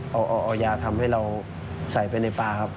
เอายาทำให้เราใส่ไปในปลาครับ